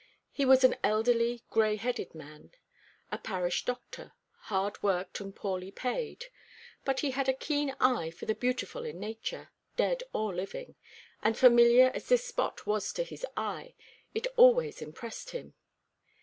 He was an elderly, gray headed man, a parish doctor, hard worked and poorly paid; but he had a keen eye for the beautiful in Nature, dead or living, and familiar as this spot was to his eye, it always impressed him.